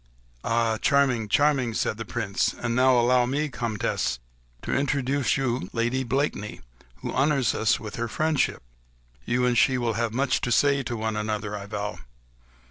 "Ah! charming!—charming!" said the Prince, "and now allow me, Comtesse, to introduce to you, Lady Blakeney, who honours us with her friendship. You and she will have much to say to one another, I vow.